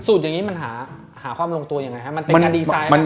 สูตรอย่างนี้มันหาความลงตัวอย่างไรคะมันเป็นการดีไซน์หรือเปล่า